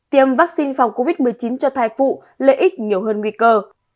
tiêm vaccine phòng covid một mươi chín cho thai phụ lợi ích nhiều hơn nguy cơ